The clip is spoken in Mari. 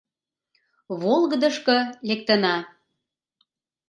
Волгыдышко лектына.